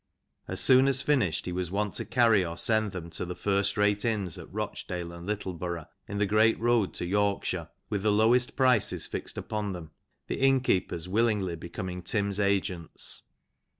As soon as finished he was wont to carry them to the first rate inns at Rochdale and Littlcborough, in the great road to Yorkshire, with the lowest prices fixed upon them, the inn keepers willingly becoming Tim's agents.